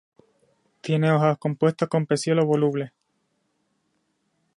Tiene hojas compuestas con peciolo voluble.